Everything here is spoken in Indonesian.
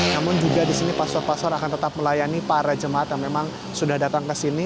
namun juga di sini pastor paspor akan tetap melayani para jemaat yang memang sudah datang ke sini